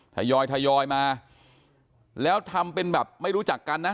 ทยอยทยอยมาแล้วทำเป็นแบบไม่รู้จักกันนะ